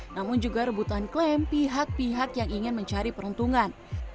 namun juga rebutan klaim pihak pihak yang ingin mencari peruntungan